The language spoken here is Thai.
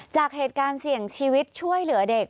จากเหตุการณ์เสี่ยงชีวิตช่วยเหลือเด็ก